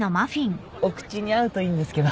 お口に合うといいんですけど。